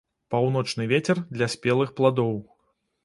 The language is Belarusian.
Паўночны вецер для спелых пладоў.